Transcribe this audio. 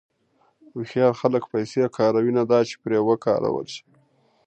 هوښیار خلک پیسې کاروي، نه دا چې پرې وکارول شي.